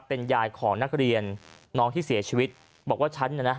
เป็นยายของนักเรียนน้องที่เสียชีวิตบอกว่าฉันน่ะนะ